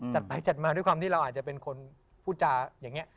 จัดไปจัดมาด้วยความที่เราอาจจะเป็นคนพูดจาอย่างนี้